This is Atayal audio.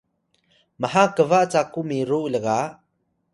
maha kba caku miru lga